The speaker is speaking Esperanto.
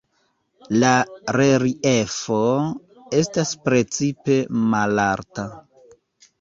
La "reliefo" estas precipe malalta.